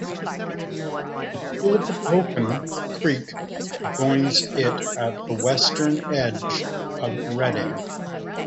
The Tulpehocken Creek joins it at the western edge of Reading.